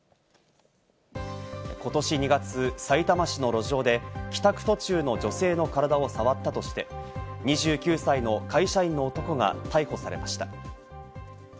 今年２月、さいたま市の路上で帰宅途中の女性の体を触ったとして、２９歳の会社員の男が逮捕されました。